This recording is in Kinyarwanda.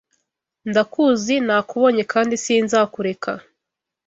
'Ndakuzi, nakubonye, kandi sinzakureka: